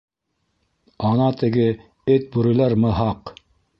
Ана теге эт-бүреләр мыһаҡ.